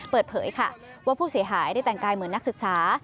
เปิดเผยค่ะว่าผู้เสียหายได้แต่งกายเหมือนนักศึกษา